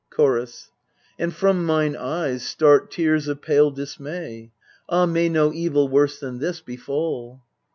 Chorus. And from mine eyes start tears of pale dismay. Ah, may no evil worse than this befall